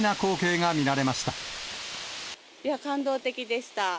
いや、感動的でした。